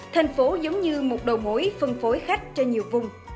thành phố giống như một đầu mối phân phối khách trên nhiều vùng